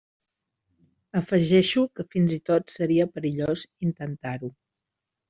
Afegeixo que fins i tot seria perillós intentar-ho.